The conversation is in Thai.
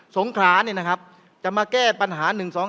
สงขาจะมาแก้ปัญหา๑๒๓